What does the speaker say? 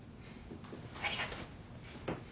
ありがとう。